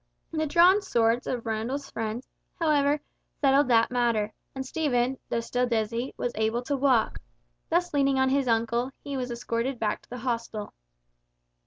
The drawn swords of Randall's friends however settled that matter, and Stephen, though still dizzy, was able to walk. Thus leaning on his uncle, he was escorted back to the hostel.